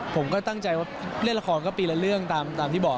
ผมก็ตั้งใจว่าเล่นละครก็ปีละเรื่องตามที่บอก